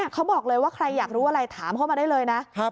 เขาบอกเลยว่าใครอยากรู้อะไรถามเข้ามาได้เลยนะ